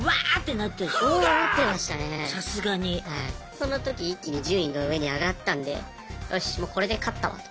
その時一気に順位が上に上がったんでよしもうこれで勝ったわと。